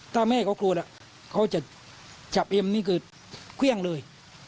ถ้าแม่เขากลัวเขาจะจับเอ็มนี่คือเครื่องเลย